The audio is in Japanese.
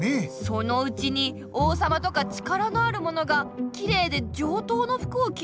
そのうちに王様とか力のあるものがきれいで上等の服をきるようになる。